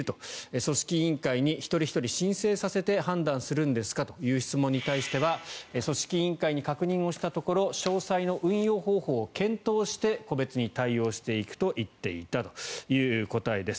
組織委員会に一人ひとり申請させて判断するんですかという質問に対しては組織委員会に確認したところ詳細の運用方法を検討して個別に対応していくと言っていたという答えです。